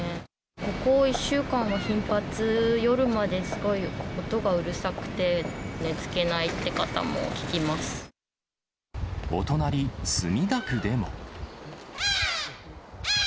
ここ１週間が頻発、夜まですごい音がうるさくて、お隣、墨田区でも。